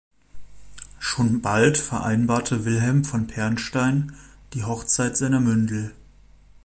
Schon bald vereinbarte Wilhelm von Pernstein die Hochzeit seiner Mündel.